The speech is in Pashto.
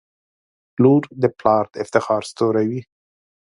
• لور د پلار د افتخار ستوری وي.